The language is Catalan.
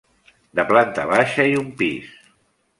De planta baixa i un pis.